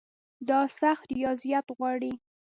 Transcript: دا سخت ریاضت غواړي.